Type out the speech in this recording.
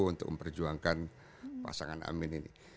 untuk memperjuangkan pasangan amin ini